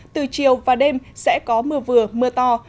từ chiều và đêm sẽ có mưa vừa mưa to